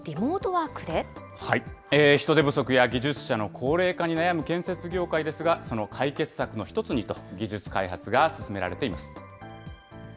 人手不足や技術者の高齢化に悩む建設業界ですが、その解決策の１つにと、技術開発が進められています。